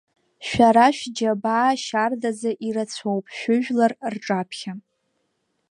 Шәара шәџьабаа шьардаӡа ирацәоуп шәыжәлар рҿаԥхьа.